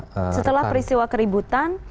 setelah peristiwa keributan